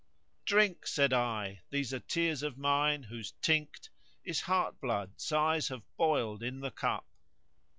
"Drink!" (said I) "these are tears of mine whose tinct * Is heart blood sighs have boiled in the cup."